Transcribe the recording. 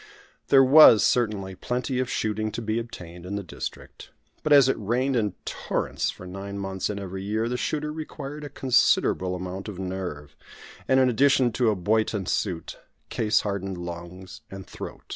There was, certainly, plenty of shooting to be obtained in the district; but, as it rained in torrents for nine months in every year, the shooter required a considerable amount of nerve, and, in addition to a Boyton suit, case hardened lungs and throat.